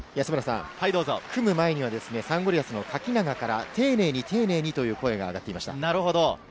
組む前にサンゴリアスの垣永から丁寧に丁寧にという声が上がっていました。